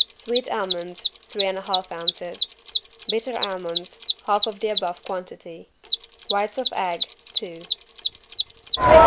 Sweet almonds, three and a half ounces. Bitter almonds, half of the above quantity. Whites of egg, two.